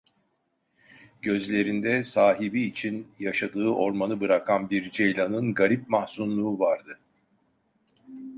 Gözlerinde, sahibi için, yaşadığı ormanı bırakan bir ceylanın garip mahzunluğu vardı.